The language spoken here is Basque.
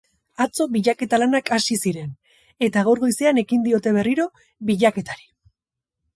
Atzo bilaketa lanak hasi ziren, eta gaur goizean ekin diote berriro bilaketari.